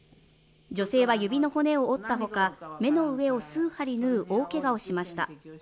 女性は指の骨を折った他、目の上を数針縫う大けがをしました。